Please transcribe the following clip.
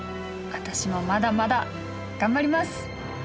私もまだまだ頑張ります！